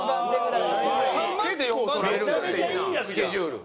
スケジュール。